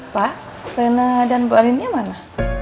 pak rena dan bu arinnya mana